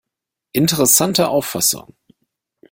Interessante Auffassung.